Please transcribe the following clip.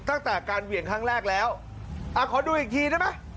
ตั้งแต่การเหวี่ยงครั้งแรกแล้วอ่าขอดูอีกทีได้ไหม